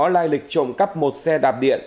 lai lịch trộm cấp một xe đạp điện